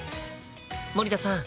森田さん